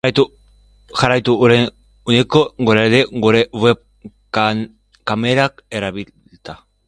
Jarraitu unean uneko eguraldia gure web-kamerak erabilita.